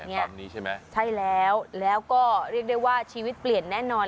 แบบนี้ใช่ไหมใช่แล้วแล้วก็เรียกได้ว่าชีวิตเปลี่ยนแน่นอน